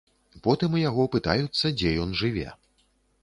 Потым у яго пытаюцца, дзе ён жыве.